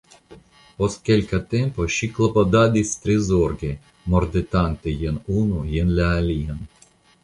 Post kelka tempo, ŝi klopodadis tre zorge, mordetante jen unu jen la alian.